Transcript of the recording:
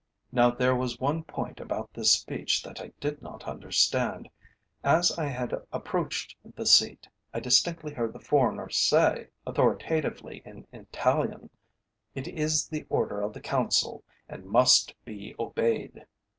Now there was one point about this speech that I did not understand. As I had approached the seat, I distinctly heard the foreigner say authoritatively in Italian: "It is the order of the Council and must be obeyed."